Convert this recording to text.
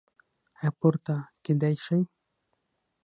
ایا پورته کیدی شئ؟